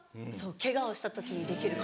ケガをした時にできる。